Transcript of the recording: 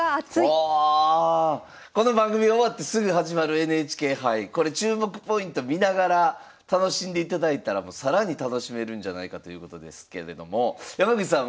この番組終わってすぐ始まるＮＨＫ杯これ注目ポイント見ながら楽しんでいただいたら更に楽しめるんじゃないかということですけれども山口さん